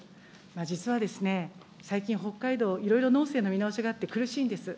実はですね、最近、北海道、いろいろ農政の見直しがあって、苦しいんです。